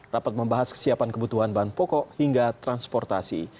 rapat membahas kesiapan kebutuhan bahan pokok hingga transportasi